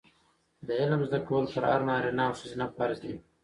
د علم زده کول په هر نارینه او ښځینه فرض دي.